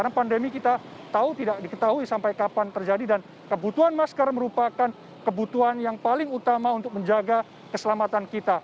karena pandemi ini kita tahu tidak ketahui sampai kapan terjadi dan kebutuhan masker merupakan kebutuhan yang paling utama untuk menjaga keselamatan kita